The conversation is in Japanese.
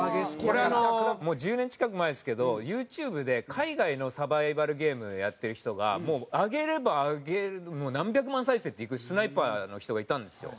これあの１０年近く前ですけどユーチューブで海外のサバイバルゲームやってる人がもう上げれば上げる何百万再生っていくスナイパーの人がいたんですよ。